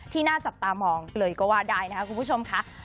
น่าจับตามองเลยก็ว่าได้นะครับคุณผู้ชมค่ะ